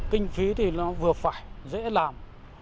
kinh phí thì nó vừa phải dễ làm